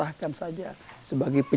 jangan berpikir pikir jangan berpikir pikir